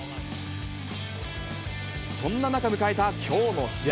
そんな中、迎えたきょうの試合。